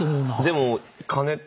でも。